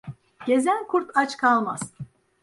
Gezen kurt aç kalmaz.